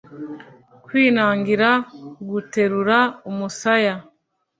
kwinangira guterura umusaya